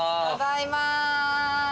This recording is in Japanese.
ただいま。